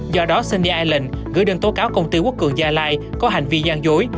do đó sunny island gửi đơn tố cáo công ty quốc cường gia lai có hành vi gian dối